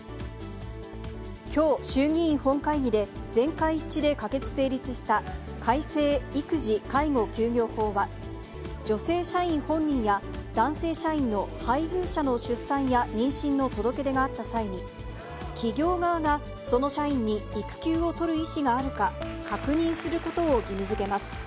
きょう衆議院本会議で、全会一致で可決・成立した改正育児・介護休業法は、女性社員本人や、男性社員の配偶者の出産や妊娠の届け出があった際に、企業側が、その社員に育休を取る意思があるか、確認することを義務づけます。